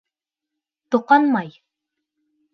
Тоҡанмай!